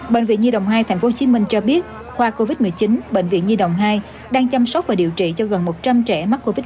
bệnh viện nhi đồng hai tp hcm cho biết khoa covid một mươi chín bệnh viện nhi đồng hai đang chăm sóc và điều trị cho gần một trăm linh trẻ mắc covid một mươi